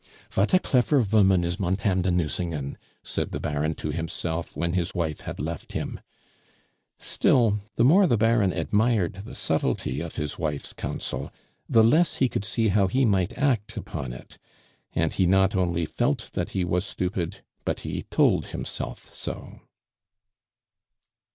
"Vat a clefer voman is Montame de Nucingen!" said the Baron to himself when his wife had left him. Still, the more the Baron admired the subtlety of his wife's counsel, the less he could see how he might act upon it; and he not only felt that he was stupid, but he told himself so.